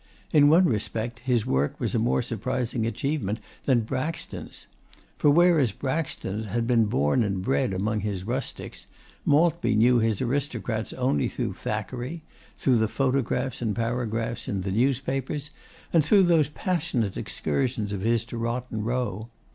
In one respect, his work was a more surprising achievement than Braxton's. For whereas Braxton had been born and bred among his rustics, Maltby knew his aristocrats only through Thackeray, through the photographs and paragraphs in the newspapers, and through those passionate excursions of his to Rotten Row.